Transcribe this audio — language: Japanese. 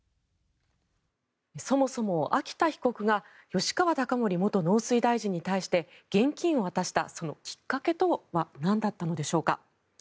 そもそも秋田被告が吉川元農水大臣に現金を渡したそのきっかけとはなんだったのでしょうか。